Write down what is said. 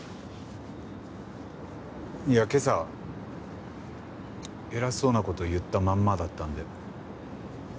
いや今朝偉そうな事言ったまんまだったんで。